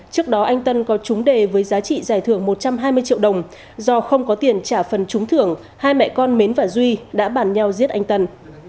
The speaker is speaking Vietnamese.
trước đó anh tân có trúng đề với giá trị giải thưởng một trăm hai mươi triệu đồng do không có tiền trả phần trúng thưởng hai mẹ con mến và duy đã bàn nhau giết anh tân